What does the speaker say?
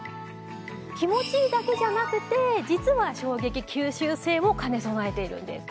気持ちいいだけじゃなくて実は衝撃吸収性を兼ね備えているんです。